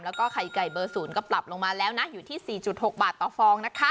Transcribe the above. แล้วก็ไข่ไก่เบอร์๐ก็ปรับลงมาแล้วนะอยู่ที่๔๖บาทต่อฟองนะคะ